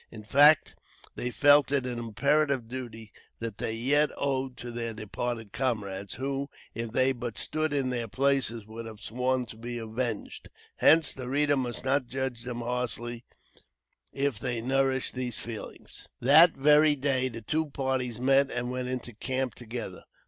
In fact, they felt it an imperative duty they yet owed to their departed comrades; who, if they but stood in their places, would have sworn to be avenged; hence, the reader must not judge them harshly if they nourished these feelings. That very day the two parties met and went into camp together.